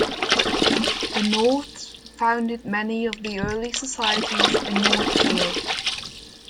The Norths founded many of the early societies in Northfield.